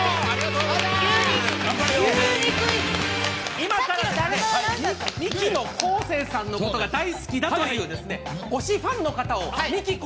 今から、ミキの昴生さんのことが大好きだという推しファンの方をミキ昴